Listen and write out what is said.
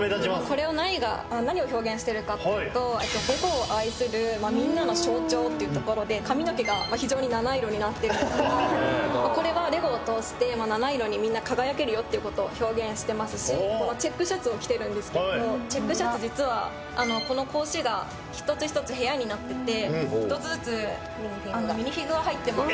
これは何が何を表現してるかっていうとっていうところで髪の毛がまあ非常に七色になっているんですけどこれはレゴを通して七色にみんな輝けるよっていうことを表現してますしこのチェックシャツを着てるんですけどもチェックシャツ実はあのこの格子が一つ一つ部屋になってて一つずつミニフィグが入ってます